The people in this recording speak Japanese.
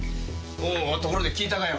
おところで聞いたかよ？